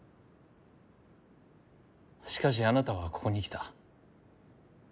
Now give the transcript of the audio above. しかしあなたはここに来た。